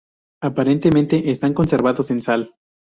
Aparentemente están conservados en sal.